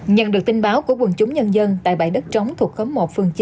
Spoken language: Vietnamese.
nhận được tin báo của quần chúng nhân dân tại bãi đất trống thuộc khấm một phương chín